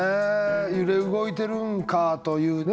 揺れ動いてるんかというね。